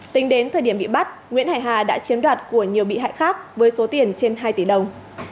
tính đến thời điểm bị bắt nguyễn hải hà đã chiếm đoạt của nhiều bị hại khác với số tiền trên hai tỷ đồng